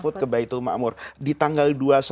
di tanggal dua puluh satu